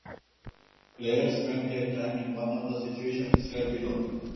Player spend their time in one of the situations described below.